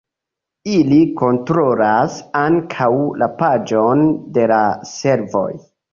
Ili kontrolas ankaŭ la pagon de la servoj.